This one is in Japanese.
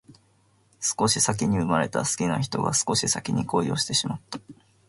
少し先に生まれた好きな人が少し先に恋をしてしまった